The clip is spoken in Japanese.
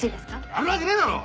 やるわけねえだろ！